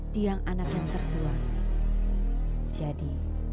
tiang anak yang tertuang jadi